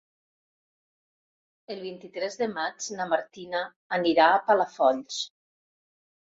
El vint-i-tres de maig na Martina anirà a Palafolls.